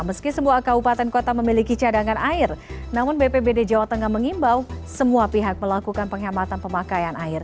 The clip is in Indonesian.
meski semua kabupaten kota memiliki cadangan air namun bpbd jawa tengah mengimbau semua pihak melakukan penghematan pemakaian air